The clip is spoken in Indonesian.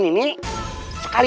udah ngajar kau niro